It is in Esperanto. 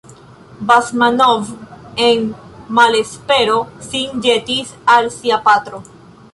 Basmanov en malespero sin ĵetis al sia patro.